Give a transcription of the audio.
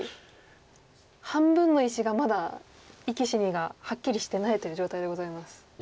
半分の石がまだ生き死にがはっきりしてないという状態でございます。